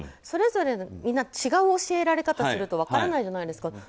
それぞれ皆違う教えられ方をすると分からないじゃないですか。